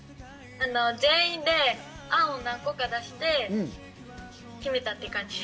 全員で案を何個か出して決めたっていう感じです。